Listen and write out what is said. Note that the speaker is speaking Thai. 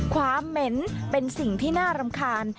เหม็นเป็นสิ่งที่น่ารำคาญ